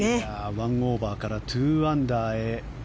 １オーバーから２アンダーへ。